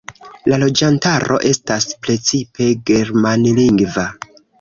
La loĝantaro estas precipe germanlingva.